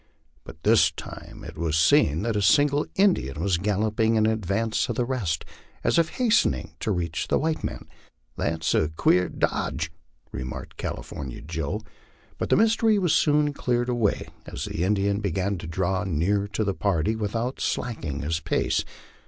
By this time it was seen that a single Indian was galloping in advance of the rest, as if hastening to reach the white men. "That's a queer dodge," re marked California Joe ; but the mystery was soon cleared away, as the Indian began to draw near to the party without slackening his pace.